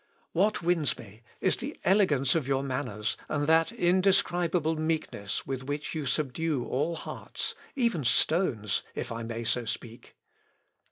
What wins me is the elegance of your manners, and that indescribable meekness with which you subdue all hearts, even stones, if I may so speak."